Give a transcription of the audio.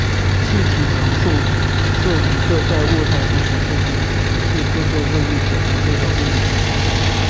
气体常数是一个在物态方程式中连系各个热力学函数的物理常数。